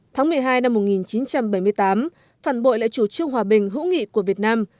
tháng một mươi hai năm một nghìn chín trăm bảy mươi tám phản bội lại chủ trương hòa bình hữu nghị của việt nam